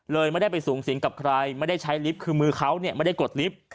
ไม่ได้ไปสูงสิงกับใครไม่ได้ใช้ลิฟต์คือมือเขาไม่ได้กดลิฟต์